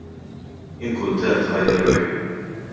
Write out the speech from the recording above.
Jien kuntent either way.